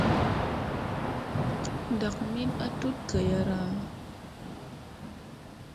Ndak min a tut gayara.